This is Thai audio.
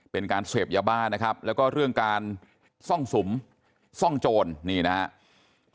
เป็นการเสพยาบ้านะครับแล้วก็เรื่องการซ่องสุมซ่องโจรนี่นะครับ